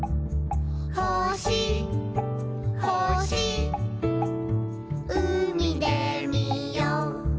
「ほしほしうみでみよう」